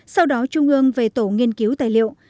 sau đó trung ương về tổ nghiên cứu tài liệu